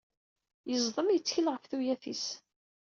Yeẓḍem yettkel ɣef tuyat-is!